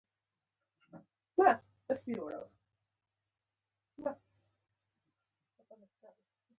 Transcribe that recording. ځان نورو ته د باور وړ ورپېژندل: